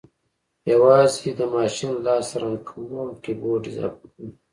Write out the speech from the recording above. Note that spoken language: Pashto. یوازې د ماشین لاس رنګ کوو او کیبورډ اضافه کوو